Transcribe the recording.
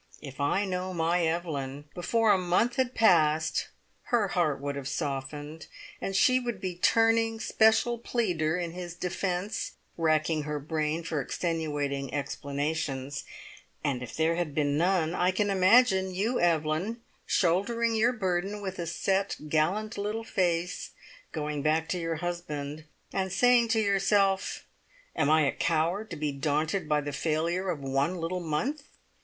If I know my Evelyn, before a month had passed her heart would have softened, and she would be turning special pleader in his defence, racking her brain for extenuating explanations. And if there had been none I can imagine you, Evelyn, shouldering your burden with a set, gallant little face, going back to your husband, and saying to yourself, `Am I a coward to be daunted by the failure of one little month?